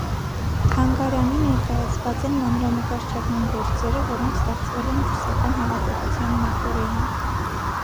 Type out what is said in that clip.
Թանգարանի ներկայացված են մանրանկարչական գործերը, որոնք ստեղծվել են ռուսական հեղափոխության նախօրեին։